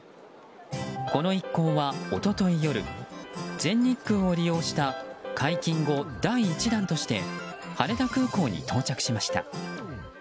この一行は一昨日夜全日空を利用した解禁後、第１弾として羽田空港に到着しました。